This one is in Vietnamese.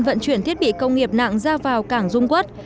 vận chuyển thiết bị công nghiệp nặng ra vào cảng dung quốc